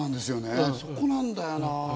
そこなんだよな。